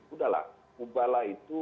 udahlah ubahlah itu